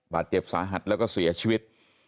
บาดเจ็บสาหัสแล้วก็เสียชีวิต